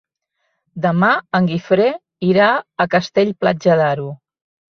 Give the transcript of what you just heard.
Demà en Guifré irà a Castell-Platja d'Aro.